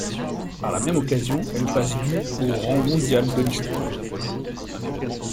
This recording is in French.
Par la même occasion, elle passe du au rang mondial de l'histoire.